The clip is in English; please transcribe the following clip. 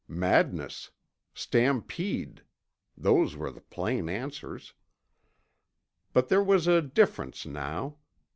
Madness. Stampede. Those were the plain answers. But there was a difference now.